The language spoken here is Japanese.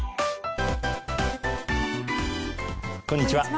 こんにちは。